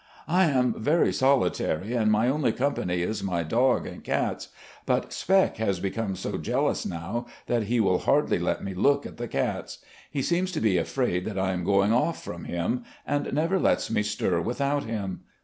. I am very solitary, and my only company is my dog and cats. But 'Spec' has become so jealous now that he will hardly let me look at the cats. He seems to be afraid that I am going off from him, and never lets me stir without him.